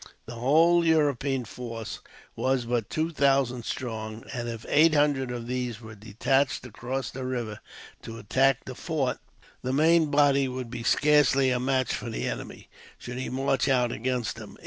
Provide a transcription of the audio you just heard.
The whole European force was but two thousand strong, and if eight hundred of these were detached across the river to attack the fort, the main body would be scarcely a match for the enemy, should he march out against them.